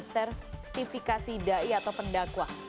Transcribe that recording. sertifikasi dai atau pendakwa